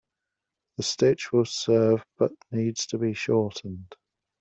The stitch will serve but needs to be shortened.